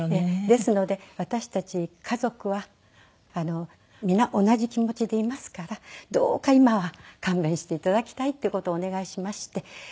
ですので私たち家族は皆同じ気持ちでいますからどうか今は勘弁して頂きたいっていう事をお願いしまして。